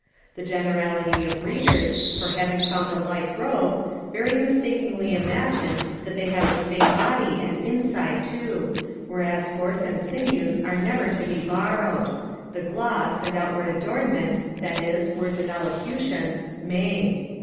The generality of readers, for having found a like robe, very mistakingly imagine they have the same body and inside too, whereas force and sinews are never to be borrowed; the gloss, and outward ornament, that is, words and elocution, may.